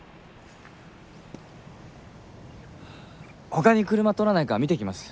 他に車が通らないか見てきます。